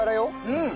うん！